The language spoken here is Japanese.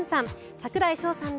櫻井翔さんら